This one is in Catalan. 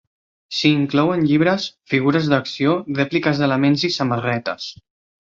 S'hi inclouen llibres, figures d'acció, rèpliques d'elements i samarretes.